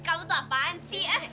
kamu tuh apaan sih eh